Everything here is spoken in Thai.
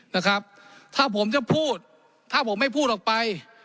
นะครับถ้าผมจะพูดถ้าผมไม่พูดออกไป